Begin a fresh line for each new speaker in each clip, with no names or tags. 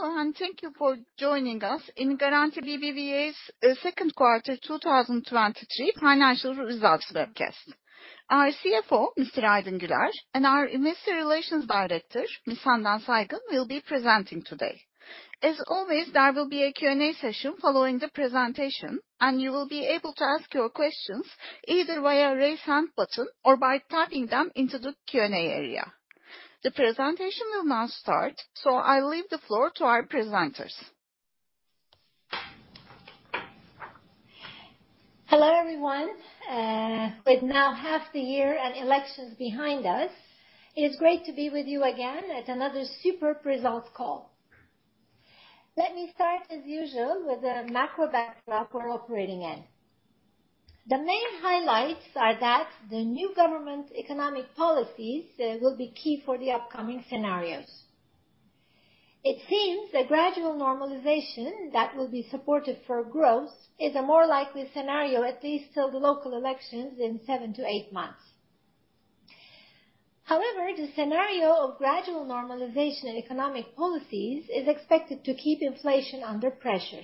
Hello, and thank you for joining us in Garanti BBVA's Second Quarter 2023 financial results webcast. Our CFO, Mr. Aydın Güler, and our Investor Relations Director, Ms. Handan Saygın, will be presenting today. As always, there will be a Q&A session following the presentation, and you will be able to ask your questions either via raise hand button or by typing them into the Q&A area. The presentation will now start. I leave the floor to our presenters.
Hello, everyone. With now half the year and elections behind us, it is great to be with you again at another super results call. Let me start, as usual, with the macro backdrop we're operating in. The main highlights are that the new government economic policies will be key for the upcoming scenarios. It seems a gradual normalization that will be supportive for growth is a more likely scenario, at least till the local elections in 7-8 months. The scenario of gradual normalization in economic policies is expected to keep inflation under pressure.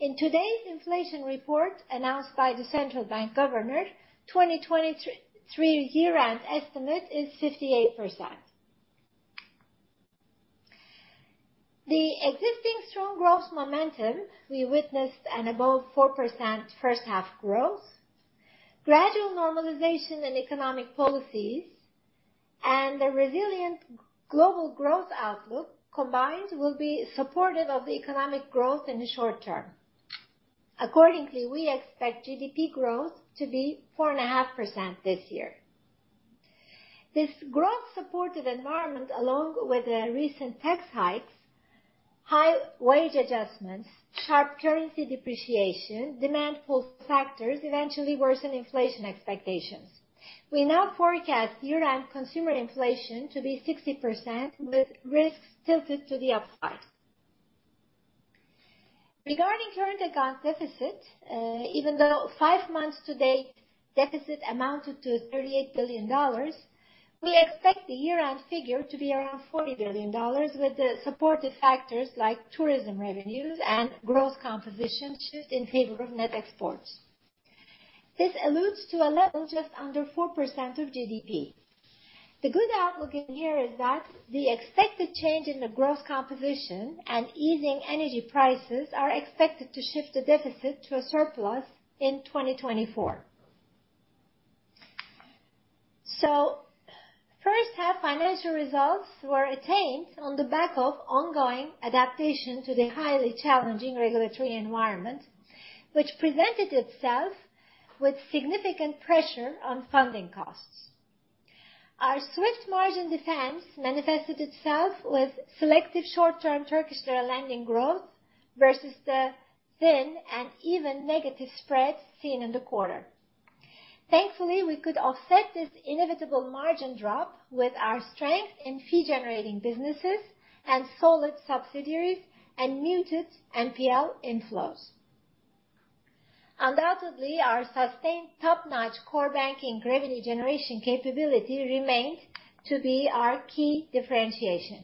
In today's inflation report announced by the central bank governor, 2023 year-end estimate is 58%. The existing strong growth momentum we witnessed an above 4% first half growth. Gradual normalization in economic policies and a resilient global growth outlook combined will be supportive of the economic growth in the short term. Accordingly, we expect GDP growth to be 4.5% this year. This growth-supported environment, along with the recent tax hikes, high wage adjustments, sharp currency depreciation, demand pull factors, eventually worsen inflation expectations. We now forecast year-end consumer inflation to be 60%, with risks tilted to the upside. Regarding current account deficit, even though five months to date, deficit amounted to $38 billion, we expect the year-end figure to be around $40 billion with the supportive factors like tourism revenues and growth composition shift in favor of net exports. This alludes to a level just under 4% of GDP. The good outlook in here is that the expected change in the growth composition and easing energy prices are expected to shift the deficit to a surplus in 2024. First half financial results were attained on the back of ongoing adaptation to the highly challenging regulatory environment, which presented itself with significant pressure on funding costs. Our swift margin defense manifested itself with selective short-term Turkish lira lending growth versus the thin and even negative spreads seen in the quarter. Thankfully, we could offset this inevitable margin drop with our strength in fee-generating businesses and solid subsidiaries and muted NPL inflows. Undoubtedly, our sustained top-notch Core Banking revenue generation capability remains to be our key differentiation.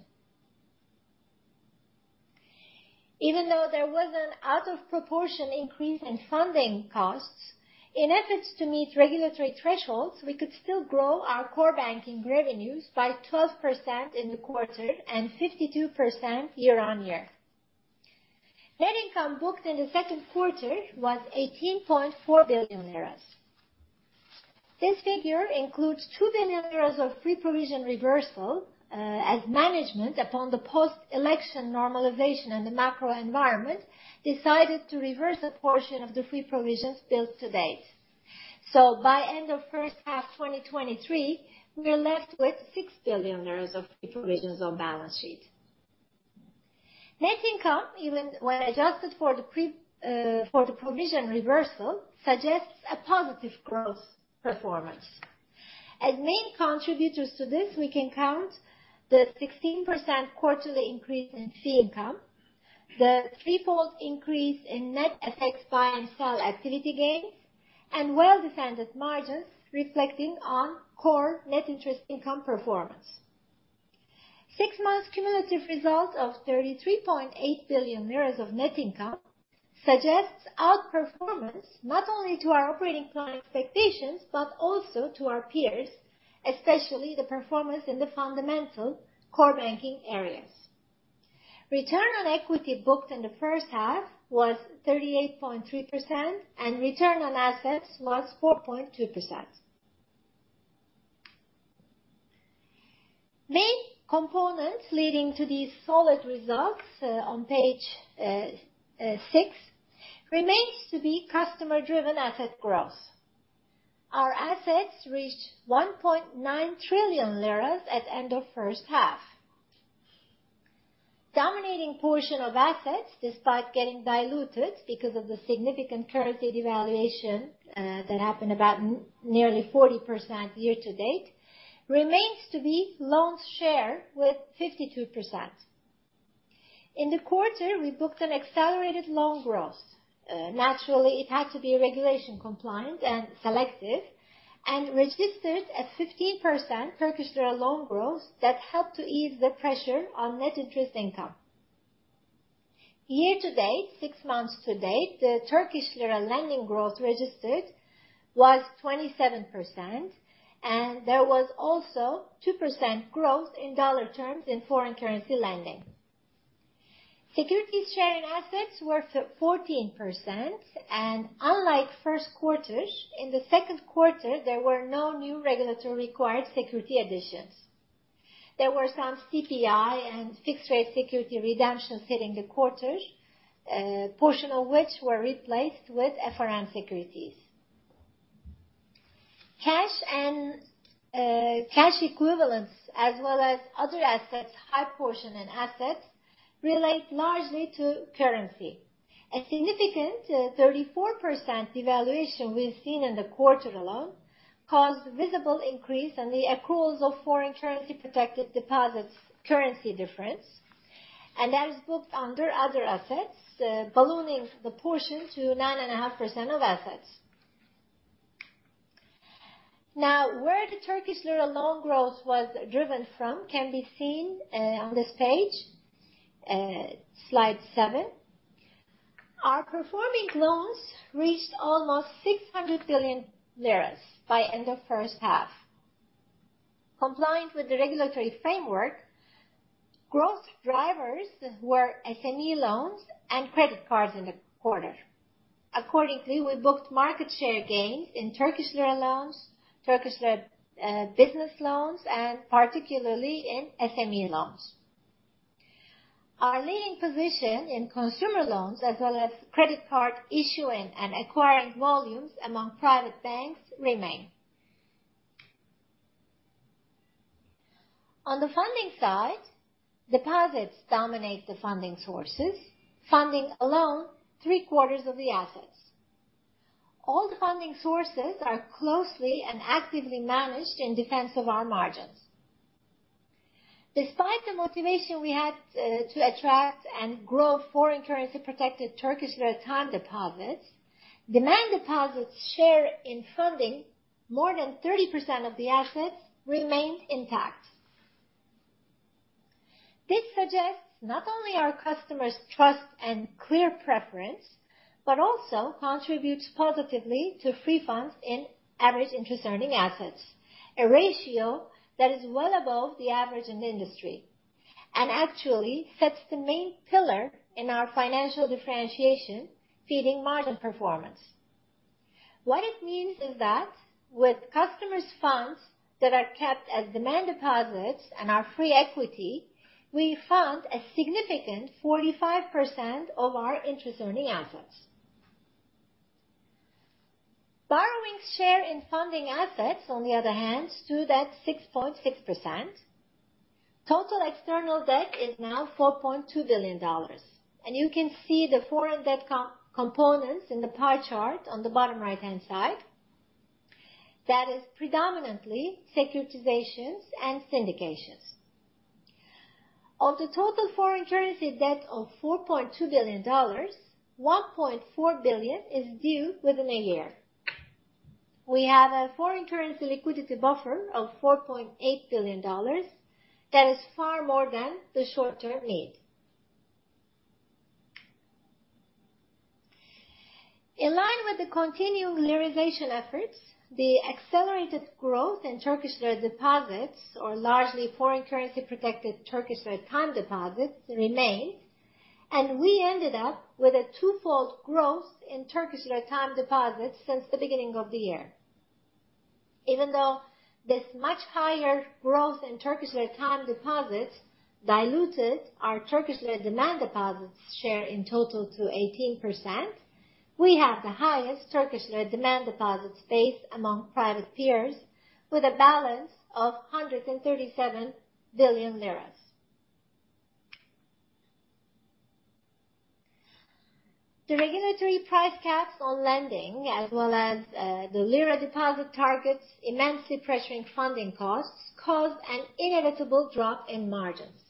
Even though there was an out of proportion increase in funding costs, in efforts to meet regulatory thresholds, we could still grow our Core Banking revenues by 12% in the quarter and 52% year-on-year. Net income booked in the second quarter was 18.4 billion lira. This figure includes TRY 2 billion of free provision reversal, as management, upon the post-election normalization in the macro environment, decided to reverse a portion of the free provisions built to date. By end of first half 2023, we are left with TRY 6 billion of free provisions on balance sheet. Net income, even when adjusted for the provision reversal, suggests a positive growth performance. As main contributors to this, we can count the 16% quarterly increase in fee income, the threefold increase in net FX buy and sell activity gains, and well-defended margins reflecting on core net interest income performance. Six months cumulative result of TRY 33.8 billion of net income suggests outperformance, not only to our operating plan expectations, but also to our peers, especially the performance in the fundamental Core Banking areas. Return on equity booked in the first half was 38.3%, and return on assets was 4.2%. Main components leading to these solid results, on page six, remains to be customer-driven asset growth. Our assets reached 1.9 trillion lira at end of first half. Dominating portion of assets, despite getting diluted because of the significant currency devaluation that happened about nearly 40% year to date, remains to be loans share with 52%. In the quarter, we booked an accelerated loan growth. Naturally, it had to be regulation compliant and selective, and registered at 15% Turkish lira loan growth that helped to ease the pressure on net interest income. Year to date, six months to date, the Turkish lira lending growth registered was 27%, and there was also 2% growth in dollar terms in foreign currency lending. Securities sharing assets were 14%. Unlike first quarters, in the second quarter, there were no new regulatory required security additions. There were some CPI and fixed rate security redemptions hitting the quarters, portion of which were replaced with FRN securities. Cash and cash equivalents, as well as other assets, high portion and assets relate largely to currency. A significant 34% devaluation we've seen in the quarter alone caused visible increase in the accruals of foreign currency protected deposits, currency difference, and that is booked under other assets, ballooning the portion to 9.5% of assets. Now, where the Turkish lira loan growth was driven from can be seen on this page, slide seven. Our performing loans reached almost 600 billion lira by end of first half. Compliant with the regulatory framework, growth drivers were SME loans and credit cards in the quarter. Accordingly, we booked market share gains in Turkish lira loans, Turkish lira business loans, and particularly in SME loans. Our leading position in consumer loans, as well as credit card issuing and acquiring volumes among private banks remain. On the funding side, deposits dominate the funding sources, funding alone 3/4 of the assets. All the funding sources are closely and actively managed in defense of our margins. Despite the motivation we had to attract and grow foreign currency protected Turkish lira time deposits, demand deposits share in funding more than 30% of the assets remained intact. This suggests not only our customers' trust and clear preference, but also contributes positively to free funds in average interest earning assets, a ratio that is well above the average in the industry, and actually sets the main pillar in our financial differentiation, feeding margin performance. What it means is that with customers' funds that are kept as demand deposits and our free equity, we fund a significant 45% of our interest earning assets. Borrowing share in funding assets, on the other hand, stood at 6.6%. Total external debt is now $4.2 billion. You can see the foreign debt components in the pie chart on the bottom right-hand side. That is predominantly securitizations and syndications. Of the total foreign currency debt of $4.2 billion, $1.4 billion is due within a year. We have a foreign currency liquidity buffer of $4.8 billion, that is far more than the short-term need. In line with the continued liraization efforts, the accelerated growth in Turkish lira deposits or largely foreign currency protected Turkish lira time deposits remained. We ended up with a twofold growth in Turkish lira time deposits since the beginning of the year. Even though this much higher growth in Turkish lira time deposits diluted our Turkish lira demand deposits share in total to 18%, we have the highest Turkish lira demand deposits base among private peers, with a balance of 137 billion lira. The regulatory price caps on lending, as well as the lira deposit targets, immensely pressuring funding costs, caused an inevitable drop in margins.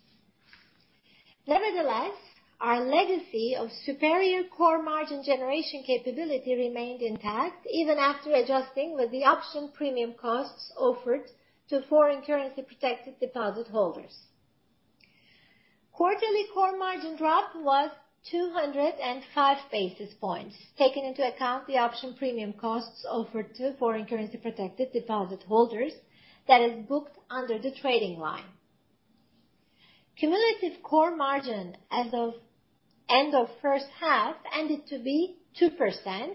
Nevertheless, our legacy of superior core margin generation capability remained intact, even after adjusting with the option premium costs offered to foreign currency protected deposit holders. Quarterly core margin drop was 205 basis points, taking into account the option premium costs offered to foreign currency protected deposit holders that is booked under the trading line. Cumulative core margin as of end of first half ended to be 2%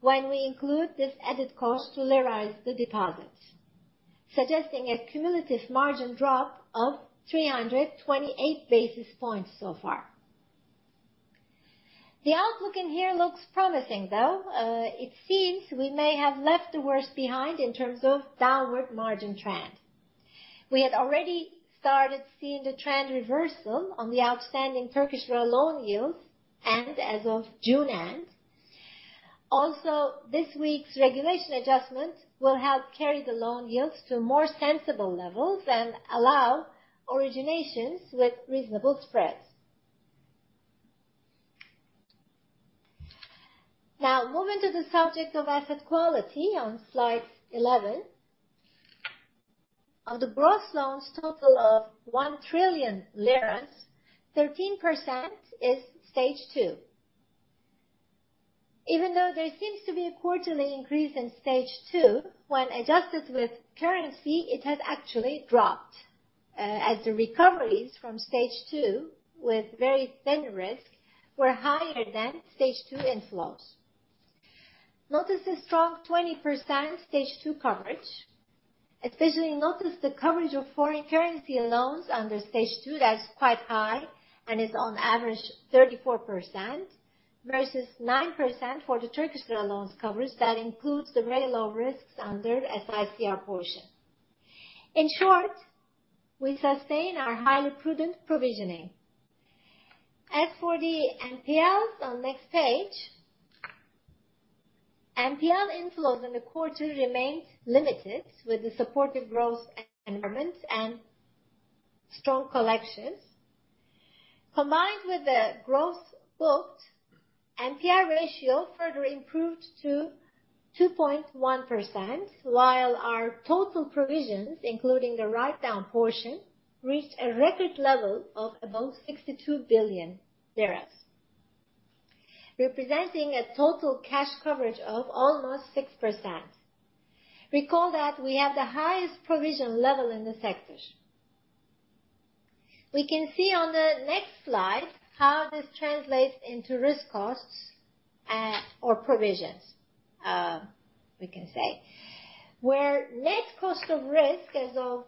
when we include this added cost to lirize the deposits, suggesting a cumulative margin drop of 328 basis points so far. The outlook in here looks promising, though. It seems we may have left the worst behind in terms of downward margin trend. We had already started seeing the trend reversal on the outstanding Turkish lira loan yields, and as of June end. Also, this week's regulation adjustment will help carry the loan yields to more sensible levels and allow originations with reasonable spreads. Moving to the subject of asset quality on slide 11. On the gross loans total of 1 trillion lira, 13% is Stage 2. Even though there seems to be a quarterly increase in Stage 2, when adjusted with currency, it has actually dropped, as the recoveries from Stage 2 with very thin risk were higher than Stage 2 inflows. Notice a strong 20% Stage 2 coverage, especially notice the coverage of foreign currency loans under Stage 2 that's quite high and is on average 34%, versus 9% for the Turkish lira loans coverage. That includes the very low risks under SICR portion. In short, we sustain our highly prudent provisioning. As for the NPLs on next page, NPL inflows in the quarter remained limited, with the supportive growth environment and strong collections. Combined with the growth booked, NPL ratio further improved to 2.1%, while our total provisions, including the write-down portion, reached a record level of above 62 billion lira, representing a total cash coverage of almost 6%. Recall that we have the highest provision level in the sectors. We can see on the next slide how this translates into risk costs, or provisions, we can say. Where net cost of risk as of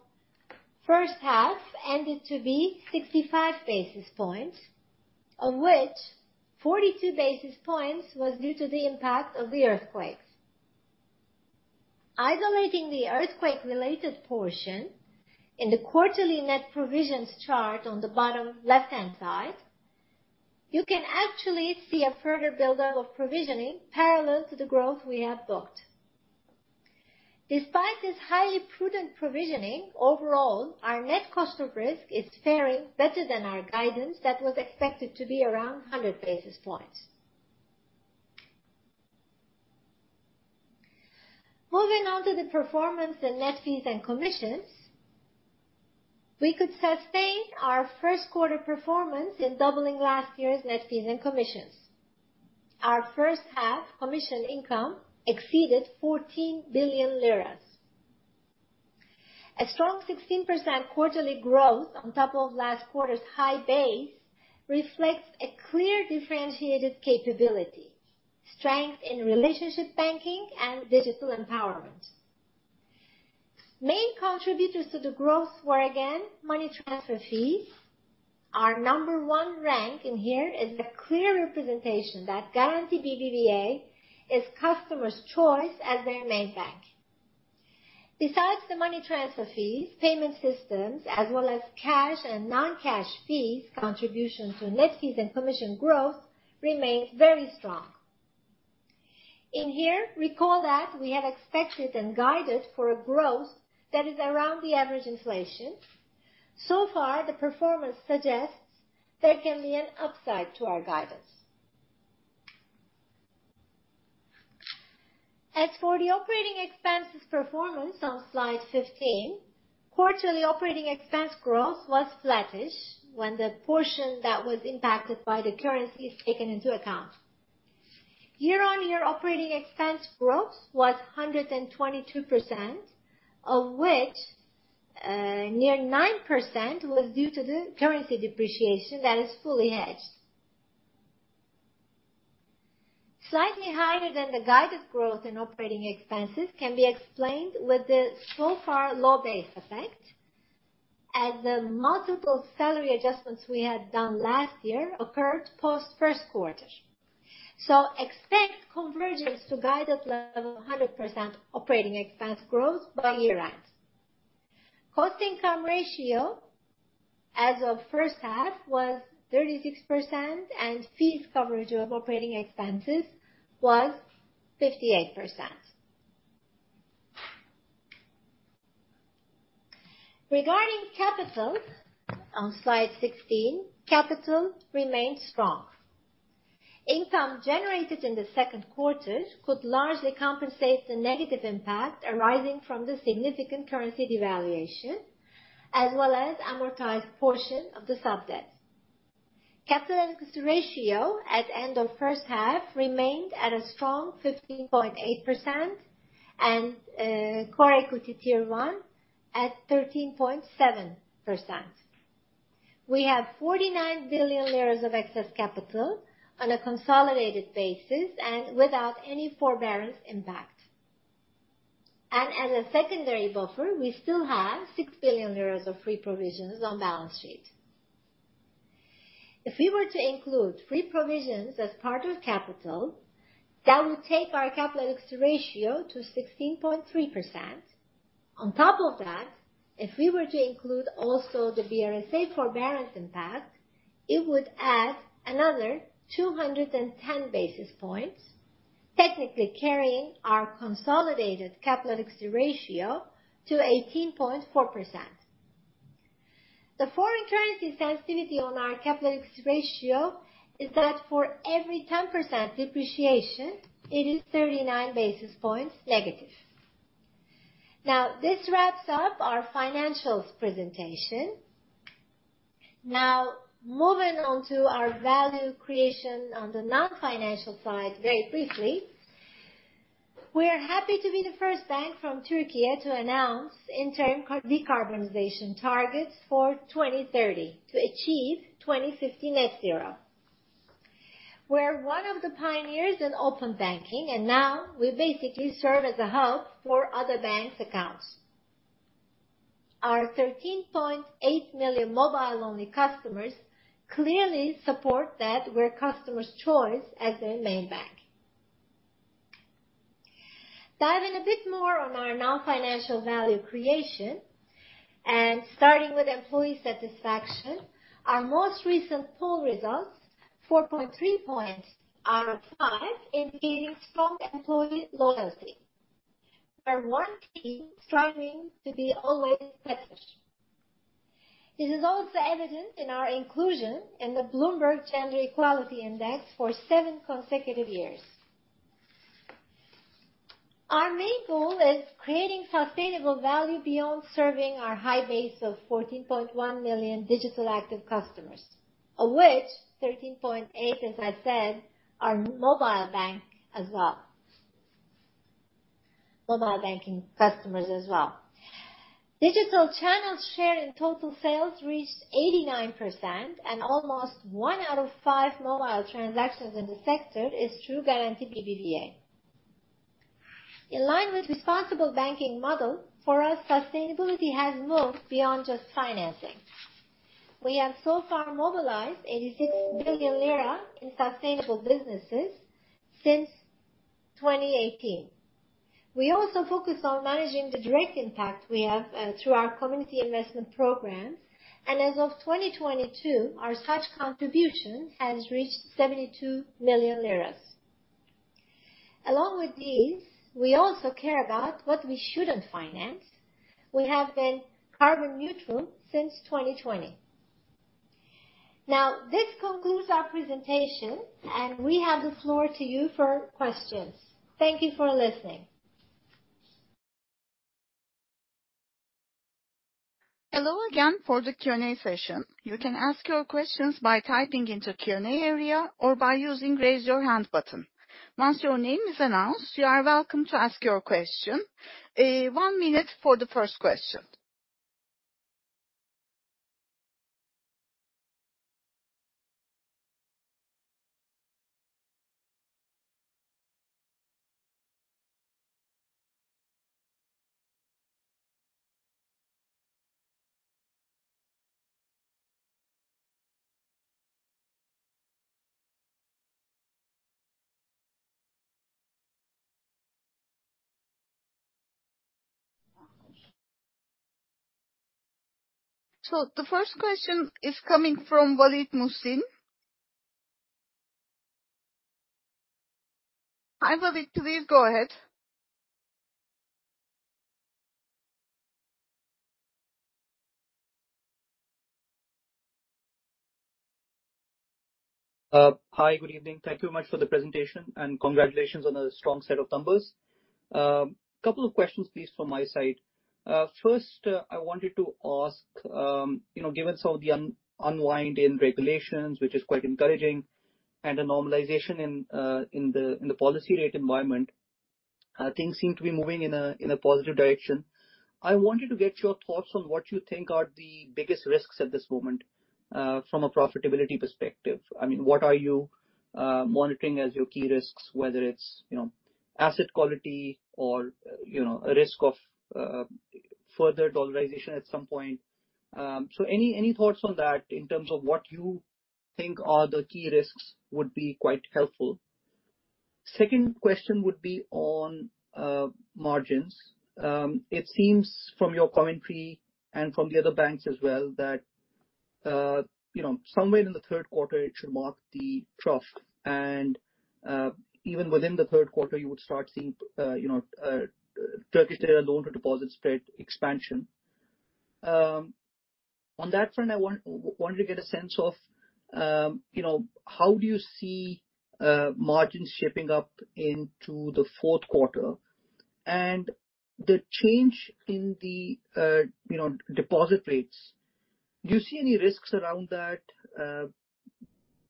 first half ended to be 65 basis points, of which 42 basis points was due to the impact of the earthquakes. Isolating the earthquake-related portion in the quarterly net provisions chart on the bottom left-hand side, you can actually see a further buildup of provisioning parallel to the growth we have booked. Despite this highly prudent provisioning, overall, our net cost of risk is faring better than our guidance that was expected to be around 100 basis points. Moving on to the performance in net fees and commissions, we could sustain our first quarter performance in doubling last year's net fees and commissions. Our first half commission income exceeded 14 billion lira. A strong 16% quarterly growth on top of last quarter's high base reflects a clear differentiated capability, strength in relationship banking, and digital empowerment. Main contributors to the growth were, again, money transfer fees. Our number one rank in here is a clear representation that Garanti BBVA is customers' choice as their main bank. Besides the money transfer fees, payment systems, as well as cash and non-cash fees, contribution to net fees and commission growth remains very strong. In here, recall that we had expected and guided for a growth that is around the average inflation. So far, the performance suggests there can be an upside to our guidance. As for the operating expenses performance on slide 15, quarterly operating expense growth was flattish when the portion that was impacted by the currency is taken into account. Year-on-year operating expense growth was 122%, of which, 9% was due to the currency depreciation that is fully hedged. Slightly higher than the guided growth in operating expenses can be explained with the so far low base effect, as the multiple salary adjustments we had done last year occurred post first quarter. Expect convergence to guide level 100% operating expense growth by year end. Cost-to-income ratio as of first half was 36%, and fees coverage of operating expenses was 58%. Regarding capital, on slide 16, capital remains strong. Income generated in the second quarter could largely compensate the negative impact arising from the significant currency devaluation, as well as amortized portion of the sub-debt. Capital and ratio at end of first half remained at a strong 15.8% and core equity Tier One at 13.7%. We have 49 billion of excess capital on a consolidated basis and without any forbearance impact. As a secondary buffer, we still have TRY 6 billion of free provisions on balance sheet. If we were to include free provisions as part of capital, that would take our capital ratio to 16.3%. On top of that, if we were to include also the BRSA forbearance impact, it would add another 210 basis points, technically carrying our consolidated capital ratio to 18.4%. The foreign currency sensitivity on our CapEx ratio is that for every 10% depreciation, it is 39 basis points negative. This wraps up our financials presentation. Moving on to our value creation on the non-financial side very briefly. We are happy to be the first bank from Turkey to announce interim decarbonization targets for 2030 to achieve 2050 net zero. We're one of the pioneers in open banking, now we basically serve as a hub for other banks' accounts. Our 13.8 million mobile-only customers clearly support that we're customers' choice as their main bank. Diving a bit more on our non-financial value creation, and starting with employee satisfaction, our most recent poll results, 4.3 points out of five, indicating strong employee loyalty. We're one team striving to be always the best. This is also evident in our inclusion in the Bloomberg Gender-Equality Index for seven consecutive years. Our main goal is creating sustainable value beyond serving our high base of 14.1 million digital active customers, of which 13.8 million, as I said, are mobile banking customers as well. Digital channels share in total sales reached 89%, and almost one out of five mobile transactions in the sector is through Garanti BBVA. In line with responsible banking model, for us, sustainability has moved beyond just financing. We have so far mobilized 86 billion lira in sustainable businesses since 2018. We also focus on managing the direct impact we have through our Community Investment programs. As of 2022, our such contribution has reached 72 million lira. Along with these, we also care about what we shouldn't finance. We have been carbon neutral since 2020. This concludes our presentation. We have the floor to you for questions. Thank you for listening.
Hello again for the Q&A session. You can ask your questions by typing into Q&A area or by using Raise Your Hand button. Once your name is announced, you are welcome to ask your question. one minute for the first question. The first question is coming from Waleed Mohsin. Hi, Waleed, please go ahead.
Hi, good evening. Thank you very much for the presentation. Congratulations on a strong set of numbers. Couple of questions, please, from my side. First, I wanted to ask, you know, given some of the unwind in regulations, which is quite encouraging, and a normalization in the policy rate environment, things seem to be moving in a, in a positive direction. I wanted to get your thoughts on what you think are the biggest risks at this moment, from a profitability perspective. I mean, what are you, monitoring as your key risks, whether it's, you know, asset quality or, you know, a risk of, further dollarization at some point? Any, any thoughts on that in terms of what you think are the key risks would be quite helpful. Second question would be on, margins. It seems from your commentary, and from the other banks as well, that, you know, somewhere in the third quarter, it should mark the trough, and, even within the third quarter, you would start seeing, you know, Turkish lira loan to deposit spread expansion. On that front, I wanted to get a sense of, you know, how do you see margins shaping up into the fourth quarter? And the change in the, you know, deposit rates, do you see any risks around that?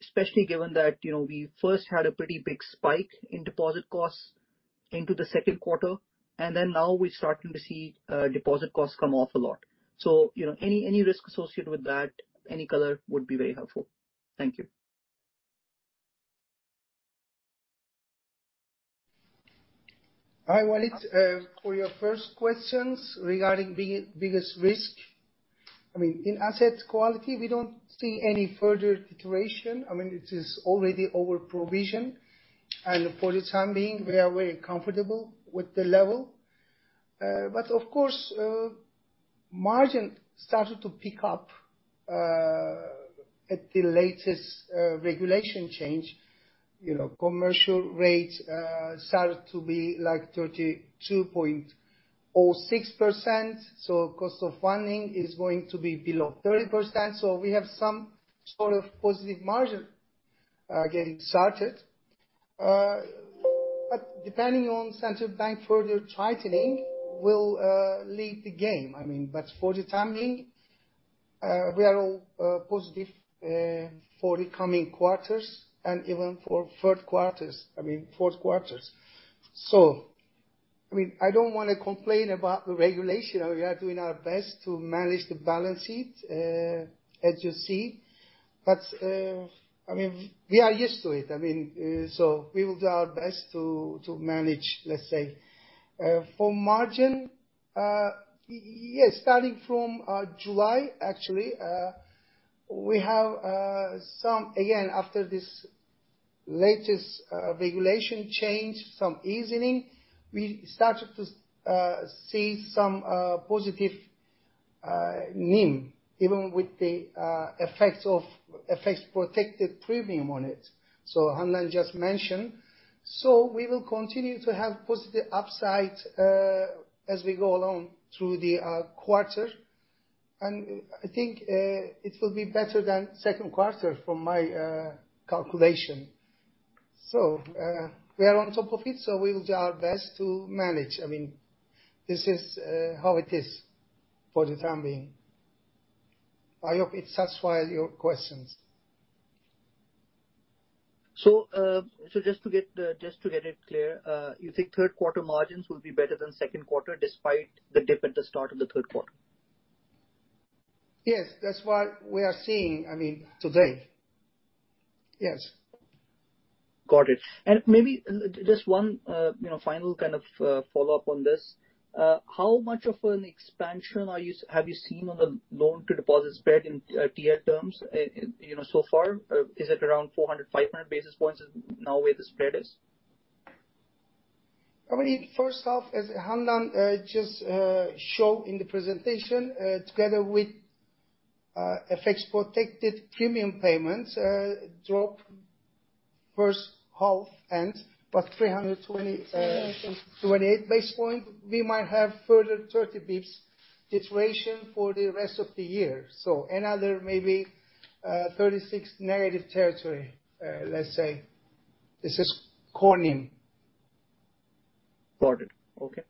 Especially given that, you know, we first had a pretty big spike in deposit costs into the second quarter, and then now we're starting to see deposit costs come off a lot. You know, any, any risk associated with that, any color would be very helpful. Thank you.
Hi, Waleed. For your first questions regarding biggest risk, I mean, in asset quality, we don't see any further deterioration. I mean, it is already over provisioned, for the time being, we are very comfortable with the level. Of course, margin started to pick up at the latest regulation change, you know, commercial rates started to be like 32.06%, cost of funding is going to be below 30%. We have some sort of positive margin getting started. Depending on central bank further tightening, we'll lead the game. I mean, for the time being, we are all positive for the coming quarters and even for third quarters, I mean, fourth quarters. I mean, I don't want to complain about the regulation. We are doing our best to manage the balance sheet, as you see. I mean, we are used to it. I mean, we will do our best to manage, let's say. For margin, yes, starting from July, actually, we have some... Again, after this latest regulation change, some easing, we started to see some positive NIM, even with the effects of FX protected premium on it, Handan just mentioned. We will continue to have positive upside, as we go along through the quarter. I think it will be better than second quarter from my calculation. We are on top of it, we will do our best to manage. I mean, this is how it is for the time being. I hope it satisfies your questions.
Just to get it clear, you think third quarter margins will be better than second quarter, despite the dip at the start of the third quarter?
Yes. That's what we are seeing, I mean, today. Yes.
Got it. Maybe just one, you know, final kind of follow-up on this. How much of an expansion have you seen on the loan to deposit spread in tier terms, you know, so far? Is it around 400, 500 basis points is now where the spread is?
I mean, first half, as Handan, just show in the presentation, together with FX protected premium payments, drop first half and about 328 basis points. We might have further 30 basis points iteration for the rest of the year. Another maybe 36 negative territory, let's say. This is Core NIM.
Got it. Okay.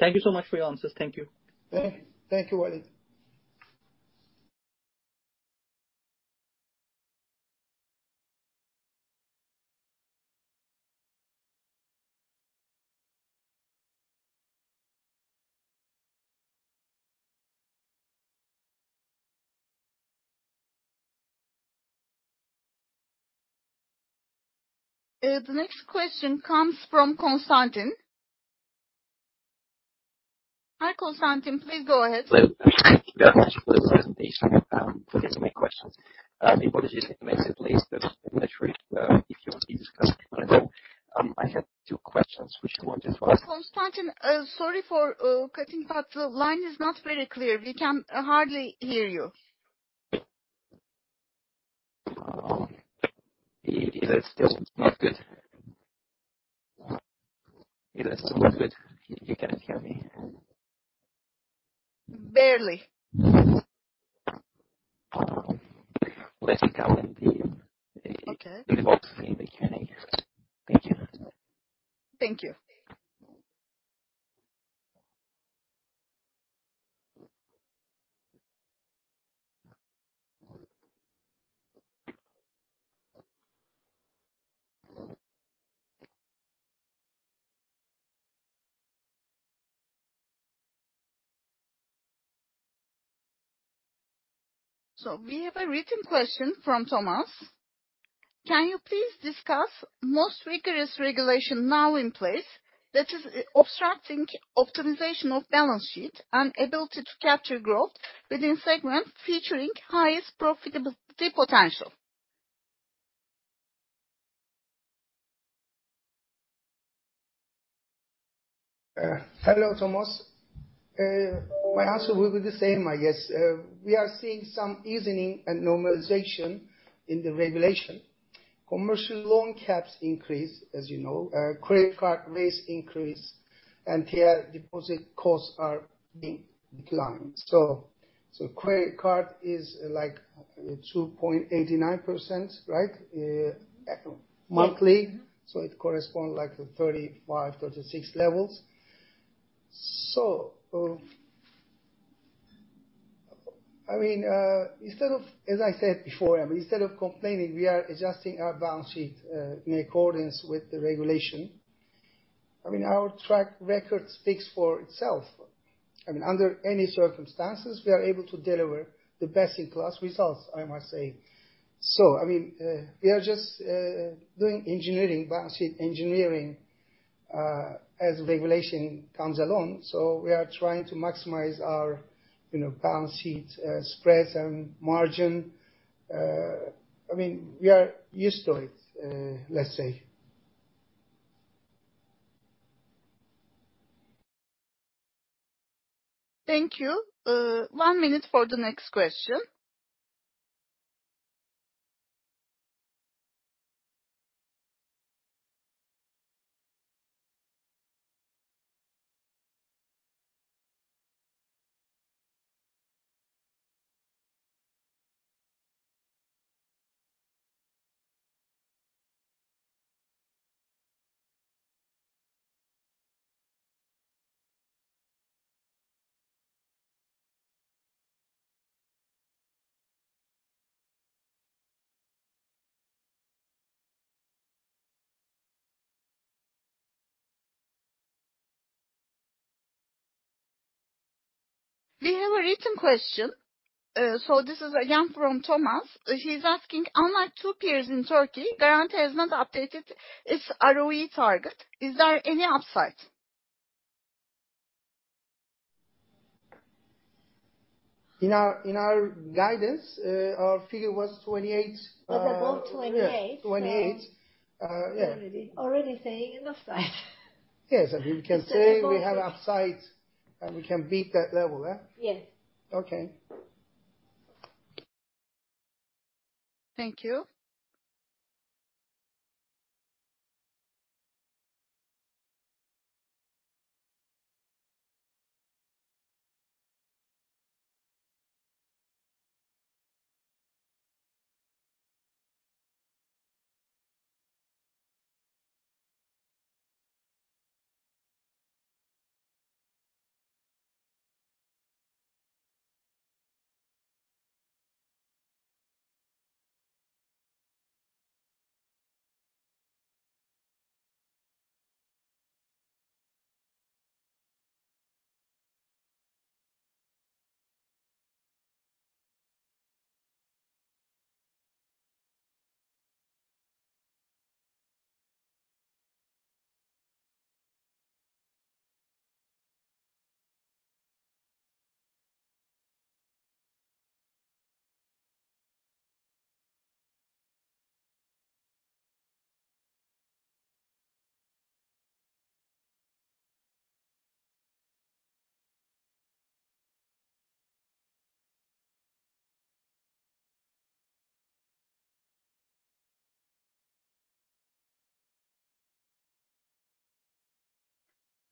Thank you so much for your answers. Thank you.
Thank you. Thank you, Waleed.
The next question comes from Konstantin. Hi, Konstantin, please go ahead.
Hello. Thank you very much for this presentation. So this is my questions. I have two questions, which I want to ask.
Konstantin, sorry for, cutting, but the line is not very clear. We can, hardly hear you.
It is still not good. You cannot hear me?
Barely.
Let me call in.
Okay.
The box, Thank you.
Thank you. We have a written question from Thomas: Can you please discuss most rigorous regulation now in place that is, obstructing optimization of balance sheet and ability to capture growth within segments featuring highest profitability potential?
Hello, Thomas. My answer will be the same, I guess. We are seeing some easing and normalization in the regulation. Commercial loan caps increase, as you know, credit card rates increase, and tier deposit costs are being declined. Credit card is like 2.89%, right? Monthly, so it correspond like the 35%, 36% levels. I mean, as I said before, I mean, instead of complaining, we are adjusting our balance sheet in accordance with the regulation. I mean, our track record speaks for itself. I mean, under any circumstances, we are able to deliver the best-in-class results, I must say. I mean, we are just doing engineering, balance sheet engineering, as regulation comes along, so we are trying to maximize our, you know, balance sheet spreads and margin. I mean, we are used to it, let's say.
Thank you. One minute for the next question. We have a written question. This is again from Thomas. He's asking, "Unlike two peers in Turkey, Garanti has not updated its ROE target. Is there any upside?
In our guidance, our figure was 28%.
Above 28%.
Yeah, 28%. Yeah.
Already saying an upside.
Yes, we can say we have upside, and we can beat that level, eh?
Yes.
Okay.
Thank you.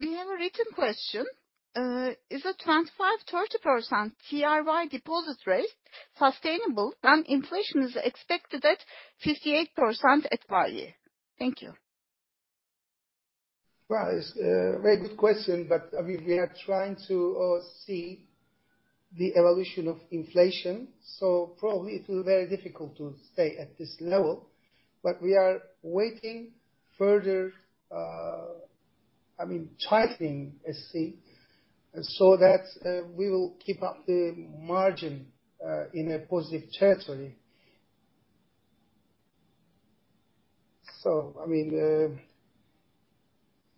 We have a written question. "Is a 25%-30% TRY deposit rate sustainable when inflation is expected at 58% at value?" Thank you.
Well, it's a very good question, but, I mean, we are trying to see the evolution of inflation, so probably it will be very difficult to stay at this level. We are waiting further, I mean, tightening, let's see, so that we will keep up the margin in a positive territory. I mean,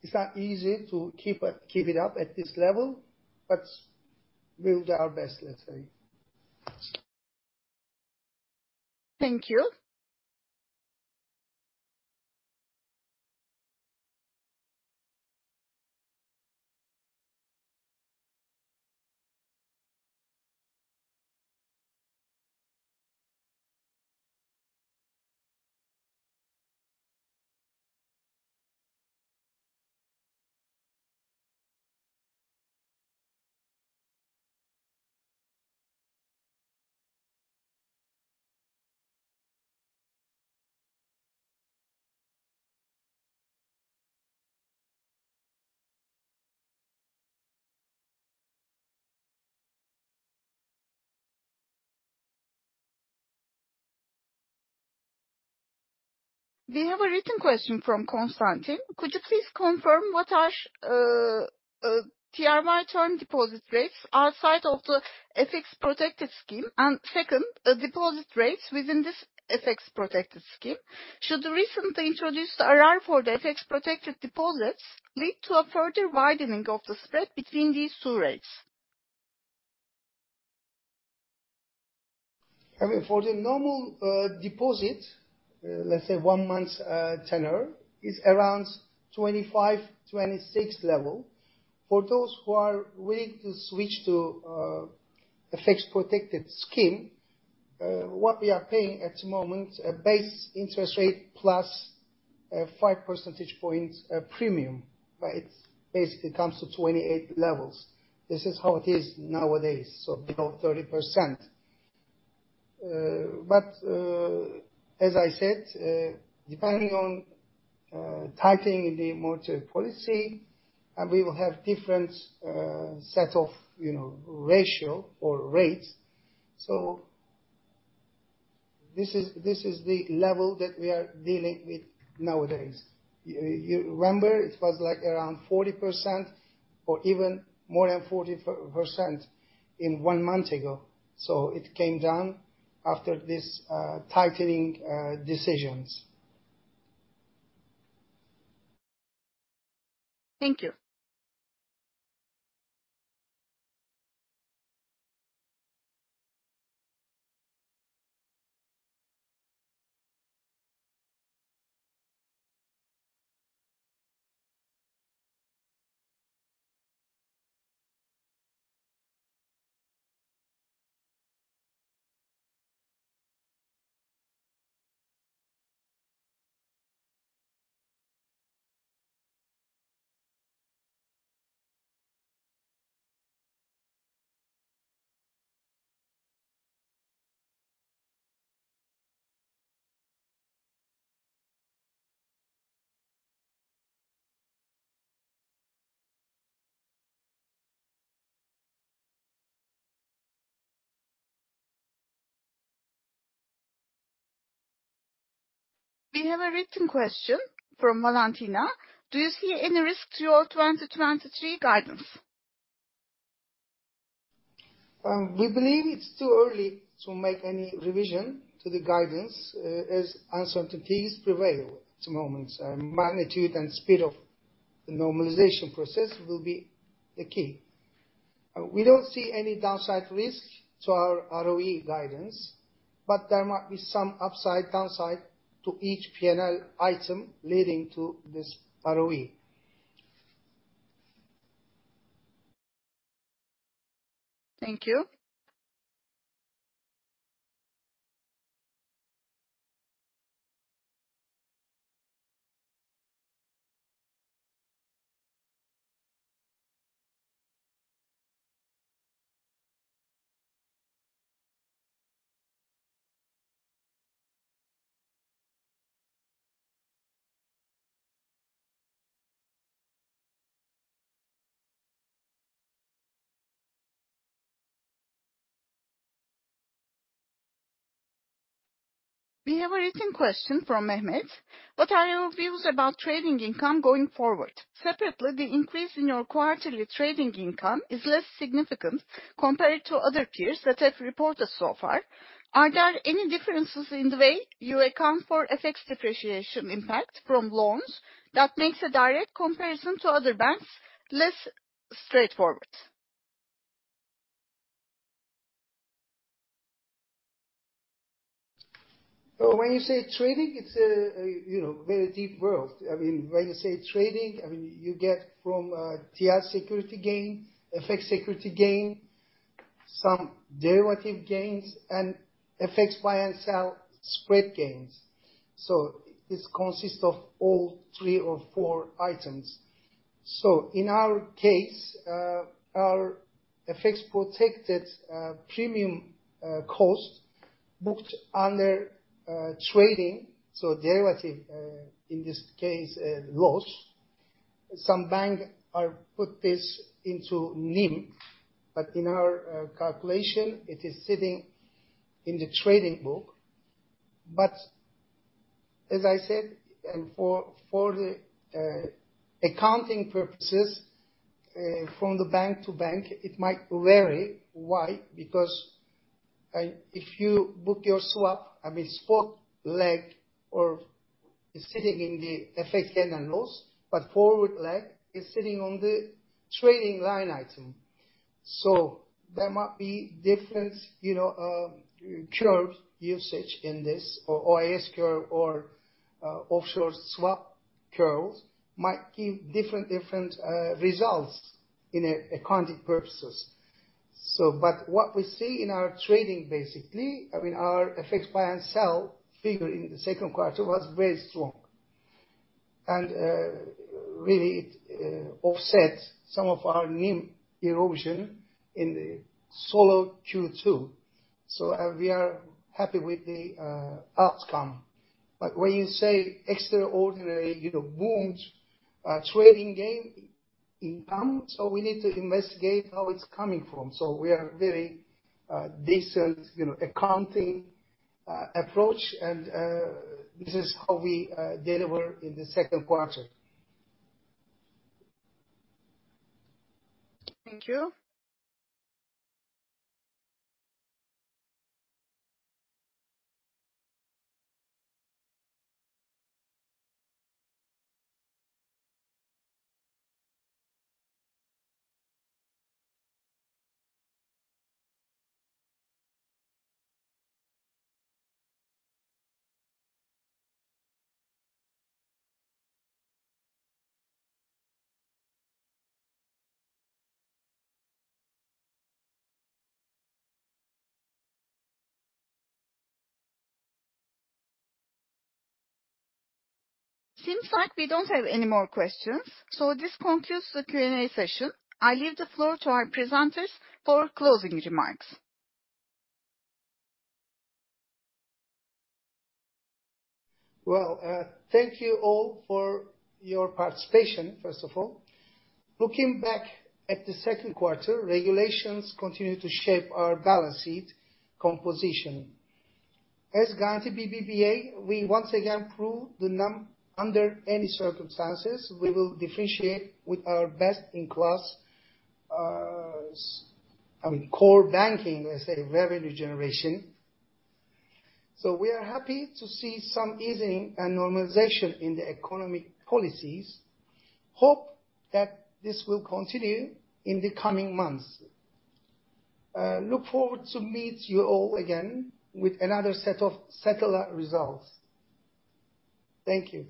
it's not easy to keep it up at this level, but we'll do our best, let's say.
Thank you. We have a written question from Constantine: "Could you please confirm what are TRY term deposit rates outside of the FX protected scheme, and second, the deposit rates within this FX protected scheme? Should the recently introduced RR for the FX protected deposits lead to a further widening of the spread between these two rates?
I mean, for the normal deposit, let's say one month tenor, is around 25%-26% level. For those who are willing to switch to a fixed protected scheme, what we are paying at the moment, a base interest rate plus five percentage points premium, right? Basically, comes to 28% levels. This is how it is nowadays, so below 30%. As I said, depending on tightening the monetary policy, and we will have different set of, you know, ratio or rates. This is the level that we are dealing with nowadays. You remember, it was like around 40% or even more than 40% in one month ago, so it came down after this tightening decisions.
Thank you. We have a written question from Valentina: Do you see any risk to your 2023 guidance?
We believe it's too early to make any revision to the guidance, as uncertainties prevail at the moment. Magnitude and speed of the normalization process will be the key. We don't see any downside risks to our ROE guidance, but there might be some upside, downside to each P&L item leading to this ROE.
Thank you. We have a written question from Mehmet: What are your views about trading income going forward? Separately, the increase in your quarterly trading income is less significant compared to other peers that have reported so far. Are there any differences in the way you account for FX depreciation impact from loans that makes a direct comparison to other banks less straightforward?
When you say trading, it's a, you know, very deep world. When you say trading, I mean, you get from lira security gain, FX security gain, some derivative gains, and FX buy and sell spread gains. This consists of all three or four items. In our case, our FX protected premium cost booked under trading, so derivative, in this case, loss. Some bank are put this into NIM, but in our calculation, it is sitting in the trading book. As I said, for the accounting purposes, from the bank to bank, it might vary. Why? If you book your swap, I mean, spot leg or is sitting in the FX gain and loss, but forward leg is sitting on the trading line item. There might be different, you know, curve usage in this or OIS curve or offshore swap curves might give different results in accounting purposes. But what we see in our trading, basically, I mean, our FX buy and sell figure in the second quarter was very strong. Really, it offset some of our NIM erosion in the solo Q2. We are happy with the outcome. When you say extraordinary, you know, boom, trading gain income, we need to investigate how it's coming from. We are very decent, you know, accounting approach, and this is how we deliver in the second quarter.
Thank you. Seems like we don't have any more questions, so this concludes the Q&A session. I leave the floor to our presenters for closing remarks.
Well, thank you all for your participation, first of all. Looking back at the second quarter, regulations continue to shape our balance sheet composition. As Garanti BBVA, we once again prove under any circumstances, we will differentiate with our best-in-class, I mean, core banking, let's say, revenue generation. We are happy to see some easing and normalization in the economic policies. Hope that this will continue in the coming months. Look forward to meet you all again with another set of similar results. Thank you.